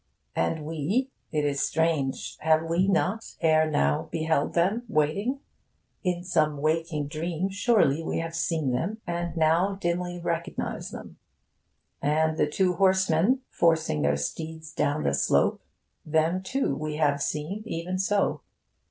And we it is strange have we not ere now beheld them waiting? In some waking dream, surely, we have seen them, and now dimly recognise them. And the two horsemen, forcing their steeds down the slope them, too, we have seen, even so.